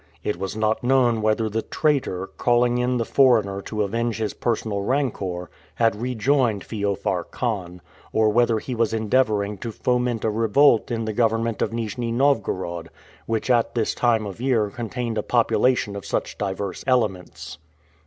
It was not known whether the traitor, calling in the foreigner to avenge his personal rancor, had rejoined Feofar Khan, or whether he was endeavoring to foment a revolt in the government of Nijni Novgorod, which at this time of year contained a population of such diverse elements.